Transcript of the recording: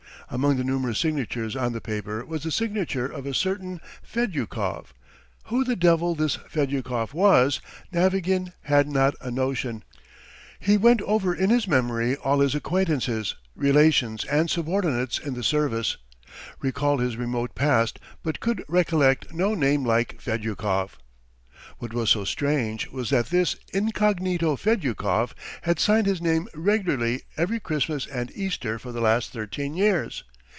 Among the numerous signatures on the paper was the signature of a certain Fedyukov. Who the devil this Fedyukov was, Navagin had not a notion. He went over in his memory all his acquaintances, relations and subordinates in the service, recalled his remote past but could recollect no name like Fedyukov. What was so strange was that this incognito, Fedyukov, had signed his name regularly every Christmas and Easter for the last thirteen years.